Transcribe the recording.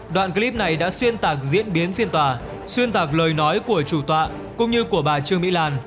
đoạn clip này đã xuyên tạc diễn biến phiên tòa xuyên tạc lời nói của chủ tọa cũng như của bà trương mỹ lan